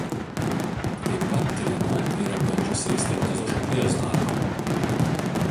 Taip pat Trina yra bandžiusi ir striptizo šokėjos darbą.